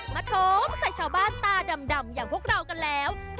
โถมใส่ชาวบ้านตาดำอย่างพวกเรากันแล้ว